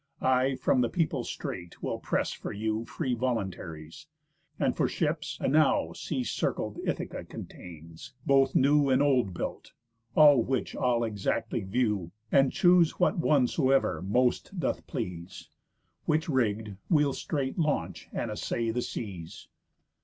I from the people straight will press for you Free voluntaries; and, for ships, enow Sea circled Ithaca contains, both new And old built; all which I'll exactly view, And choose what one soever most doth please; Which rigg'd, we'll straight launch, and assay the seas."